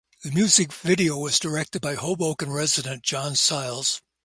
The music video was directed by Hoboken resident John Sayles.